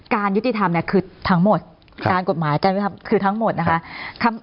ยุติธรรมเนี่ยคือทั้งหมดการกฎหมายการยุติธรรมคือทั้งหมดนะคะ